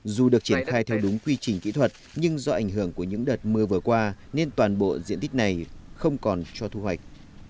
dù được triển khai theo đúng quy trình kỹ thuật nhưng do ảnh hưởng của những đợt mưa vừa qua nên toàn bộ diện tích này không còn cho thu hoạch